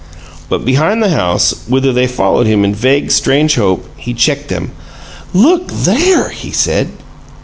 But behind the house, whither they followed him in vague, strange hope, he checked them. "LOOK THERE!" he said.